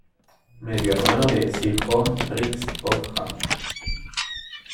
Medio Hermano de Sir Home Riggs Popham.